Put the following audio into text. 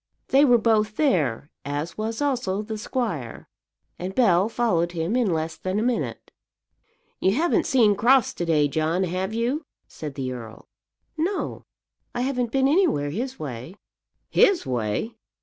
They were both there, as was also the squire, and Bell followed him in less than a minute. "You haven't seen Crofts to day, John, have you?" said the earl. "No; I haven't been anywhere his way!" "His way!